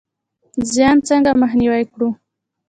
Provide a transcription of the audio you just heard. زیان څنګه مخنیوی کړو؟